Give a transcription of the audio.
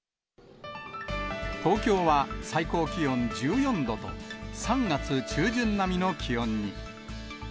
東京は最高気温１４度と、３月中旬並みの気温に。